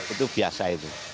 itu biasa itu